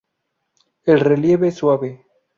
El relieve es suave.